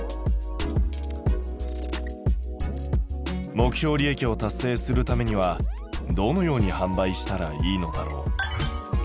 目標利益を達成するためにはどのように販売したらいいのだろう？